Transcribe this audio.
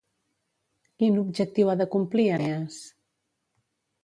Quin objectiu ha de complir Enees?